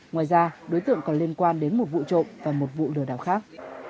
ngoài ra đối tượng còn liên quan đến một vụ trộm và một vụ lừa đảo khác